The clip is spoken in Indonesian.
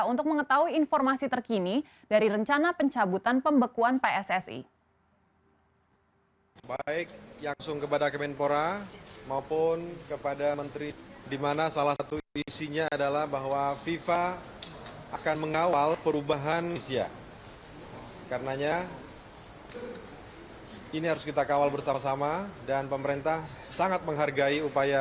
untuk mengetahui informasi terkini dari rencana pencabutan pembekuan pssi